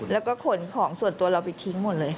แล้วก็ขนของส่วนตัวเราไปทิ้งหมดเลย